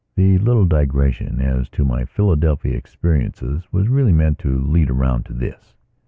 (The little digression as to my Philadelphia experiences was really meant to lead around to this.)